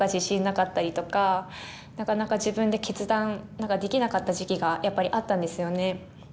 なかなか自分で決断ができなかった時期がやっぱりあったんですよね。